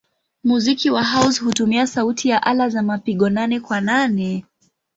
Muziki wa house hutumia sauti ya ala za mapigo nane-kwa-nane.